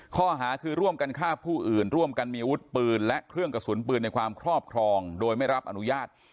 ข้อหาคือร่วมกันฆ่าผู้อื่นร่วมกันมีอาวุธปืนและเครื่องกระสุนปืนในความครอบครองโดยไม่รับอนุญาต